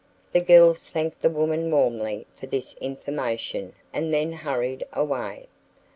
The girls thanked the woman warmly for this information and then hurried away.